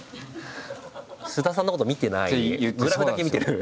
菅田さんのこと見てないグラフだけ見てる？